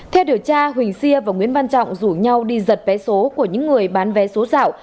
theo điều tra huỳnh sia và nguyễn văn trọng rủ nhau đi giật vé số của những người bán vé số dạo